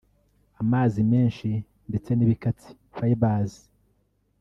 amazi menshi ndetse n’ ibikatsi(Fibers)